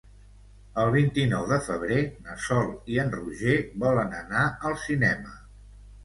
El vint-i-nou de febrer na Sol i en Roger volen anar al cinema.